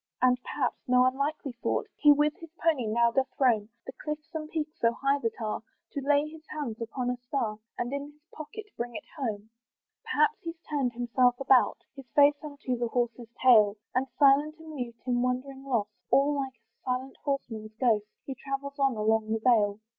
Perhaps, and no unlikely thought! He with his pony now doth roam The cliffs and peaks so high that are, To lay his hands upon a star, And in his pocket bring it home. Perhaps he's turned himself about, His face unto his horse's tail, And still and mute, in wonder lost, All like a silent horseman ghost, He travels on along the vale.